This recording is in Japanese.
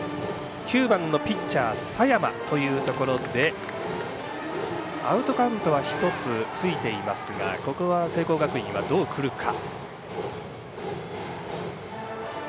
９番のピッチャー佐山というところでアウトカウントは１つついていますがここは聖光学院はどうくるか。